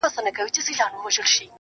o د مرور روح د پخلا وجود کانې دي ته.